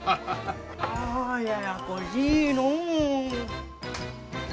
あややこしいのう。